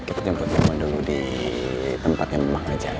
kita jemput semua dulu di tempat yang emang aja ya